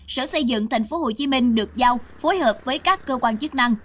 sở xây dựng tp hcm được giao phối hợp với các cơ quan chức năng